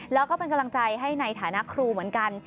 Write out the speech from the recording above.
แล้วก็เป็นกำลังใจให้ในฐานะครูเหมือนกัน